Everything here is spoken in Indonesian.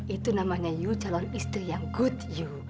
itu namanya yu calon istri yang good yu